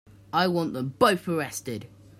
I want them both arrested.